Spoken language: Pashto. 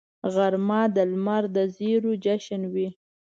غرمه د لمر د زریو جشن وي